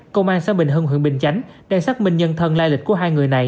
công an xã bình hưng huyện bình chánh đang xác minh nhân thân lai lịch của hai người này